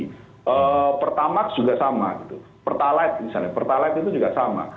nah pertamax juga sama gitu pertalite misalnya pertalite itu juga sama